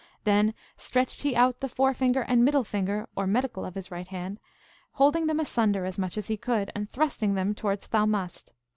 Then stretched he out the forefinger and middle finger or medical of his right hand, holding them asunder as much as he could, and thrusting them towards Thaumast.